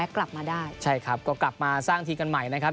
กลับมาได้ใช่ครับก็กลับมาสร้างทีกันใหม่นะครับ